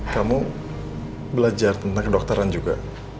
kamu belajar tentang kedokteran juga